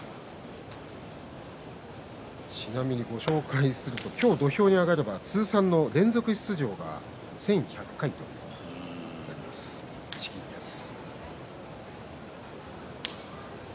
ちなみにご紹介すると今日、土俵に上がるのは通算の連続出場が１１００回となります、錦木です。